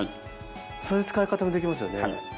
そういう使い方もできますよね。